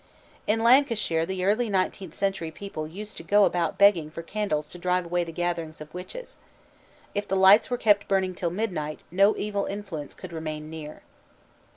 In Lancashire in the early nineteenth century people used to go about begging for candles to drive away the gatherings of witches. If the lights were kept burning till midnight, no evil influence could remain near.